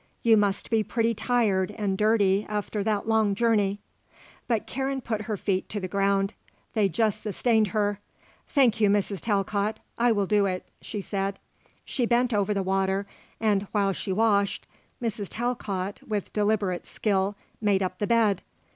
You must be pretty tired and dirty after that long journey." But Karen put her feet to the ground. They just sustained her. "Thank you, Mrs. Talcott. I will do it," she said. She bent over the water, and, while she washed, Mrs. Talcott, with deliberate skill, made up the bed.